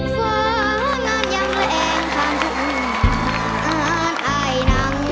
เพลง